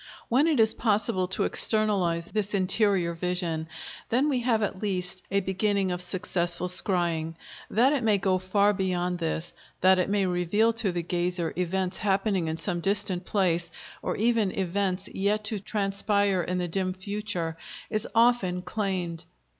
When it is possible to externalize this interior vision, then we have at least a beginning of successful scrying. That it may go far beyond this, that it may reveal to the gazer events happening in some distant place, or even events yet to transpire in the dim future, is often claimed.